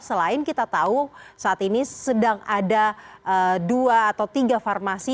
selain kita tahu saat ini sedang ada dua atau tiga farmasi